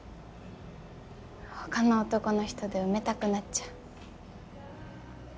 ほかの男の人で埋めたくなっちゃう。